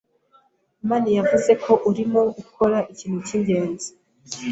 amani yavuze ko urimo ukora ikintu cyingenzi.